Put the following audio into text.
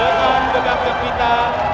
dengan begang kepita